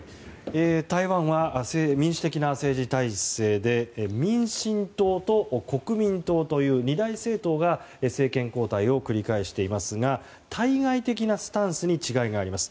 台湾は民主的な政治体制で民進党と国民党という二大政党が政権交代を繰り返していますが対外的なスタンスにいがあります。